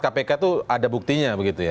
kpk itu ada buktinya begitu ya